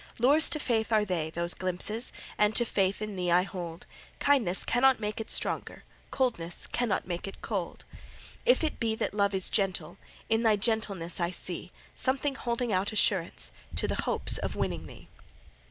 Lures to faith are they, those glimpses, And to faith in thee I hold; Kindness cannot make it stronger, Coldness cannot make it cold. If it be that love is gentle, In thy gentleness I see Something holding out assurance To the hope of winning thee.